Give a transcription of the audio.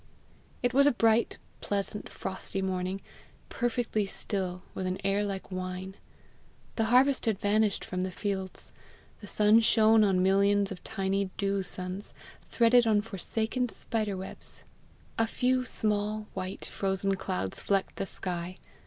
It was a bright, pleasant, frosty morning, perfectly still, with an air like wine. The harvest had vanished from the fields. The sun shone on millions of tiny dew suns, threaded on forsaken spider webs. A few small, white, frozen clouds flecked the sky.